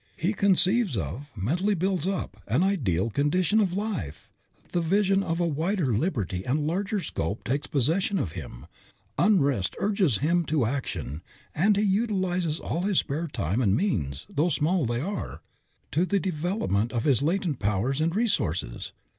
He conceives of, mentally builds up, an ideal condition of life; the vision of a wider liberty and a larger scope takes possession of him; unrest urges him to action, and he utilizes all his spare time and means, small though they are, to the development of his latent powers and resources.